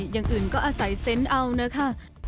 อย่างอื่นก็อาศัยเซนต์เอานะคะ